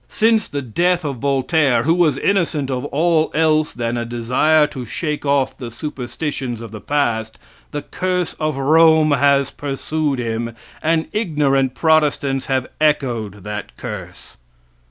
Since the death of Voltaire, who was innocent of all else than a desire to shake off the superstitions of the past, the curse of Rome has pursued him, and ignorant protestants have echoed that curse.